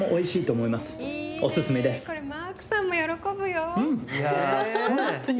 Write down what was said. これマークさんも喜ぶよ。